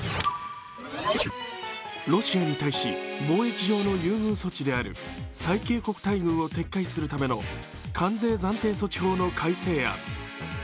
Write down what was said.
ロシアに対し貿易上の優遇措置である最恵国待遇を撤回するための関税暫定措置法の改正案。